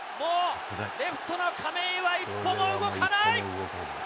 レフトの亀井は１歩も動かない！